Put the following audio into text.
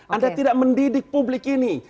anda tidak mendidik publik ini